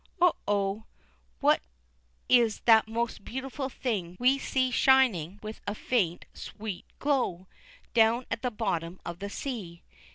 Oh! Oh! What is that most beautiful thing we see shining with a faint, sweet glow, down at the bottom of the sea?